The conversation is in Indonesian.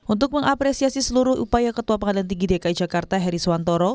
untuk mengapresiasi seluruh upaya ketua pengadilan tinggi dki jakarta heri suwantoro